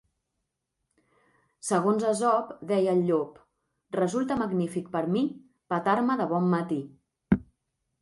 Segons Esop, deia el llop: "Resulta magnífic per mi, petar-me de bon matí."